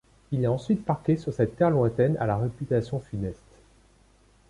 Il est ensuite parqué sur cette terre lointaine à la réputation funeste.